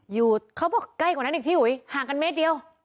อยู่เขาบอกใกล้กว่านั้นอีกพี่อุ๋ยห่างกันเมตรเดียว